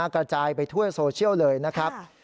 กระจายไปทั่วโซเชียลเลยนะครับ